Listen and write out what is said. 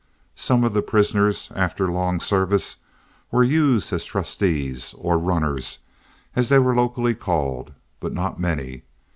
Some of the prisoners, after long service, were used as "trusties" or "runners," as they were locally called; but not many.